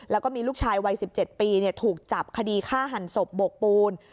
แล้วก็มีลูกชายวัย๑๗ปีถูกจับคดีฆ่าหันศพบกปูน